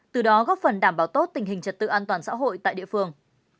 từ đó góp phần đảm bảo tốt tình hình trật tự an toàn xã hội tại địa phương